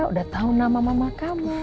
udah tahu nama mama kamu